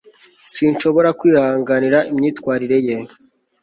sinshobora kwihanganira imyitwarire ye